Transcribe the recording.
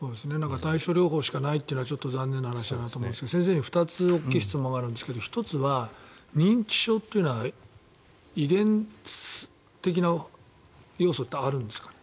対症療法しかないのはちょっと残念な話だなと思いますが先生に２つ大きい質問があるんですが１つは、認知症は遺伝的な要素ってあるんですかね。